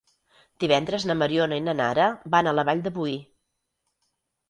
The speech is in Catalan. Divendres na Mariona i na Nara van a la Vall de Boí.